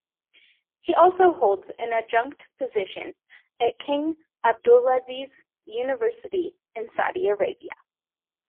He also holds an adjunct position at King Abdulaziz University in Saudi Arabia.